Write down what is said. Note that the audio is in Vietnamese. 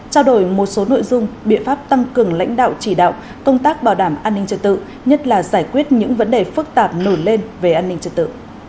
trao đổi một số nội dung biện pháp tăng cường lãnh đạo chỉ đạo công tác bảo đảm an ninh trật tự nhất là giải quyết những vấn đề phức tạp nổi lên về an ninh trật tự